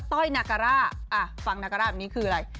ต้อยนาการ่าฟังนาการ่าแบบนี้คืออะไร